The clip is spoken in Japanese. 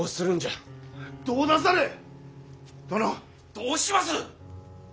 どうします！？